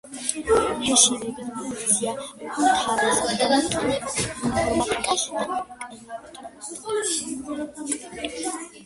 ჰეშირების ფუნქცია უმთავრესად გამოიყენება ინფორმატიკაში და კრიპტოგრაფიაში.